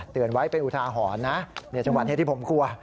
เตือนไว้เป็นอุทาหอนนะจังหวะนี้ที่ผมกลัว